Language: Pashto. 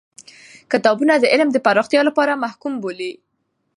کتابونه د علم د پراختیا لپاره محکوم بولی.